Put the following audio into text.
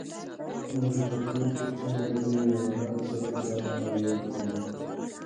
موږ زده کوو چې څنګه له نویو حالاتو سره ځان عیار کړو.